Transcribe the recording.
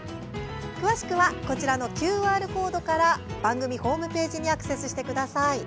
詳しくはこちらのＱＲコードから番組ホームページにアクセスしてください。